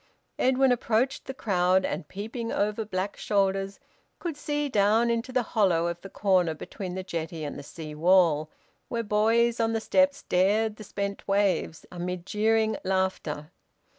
Edwin approached the crowd, and, peeping over black shoulders, could see down into the hollow of the corner between the jetty and the sea wall, where boys on the steps dared the spent waves, amid jeering laughter.